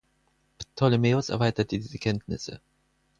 Ptolemäus erweiterte diese Kenntnisse.